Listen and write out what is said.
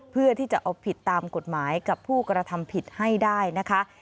เพื่อที่จะเอาผิดตามกฎหมายกับผู้กระทำผิดให้ได้นะคะ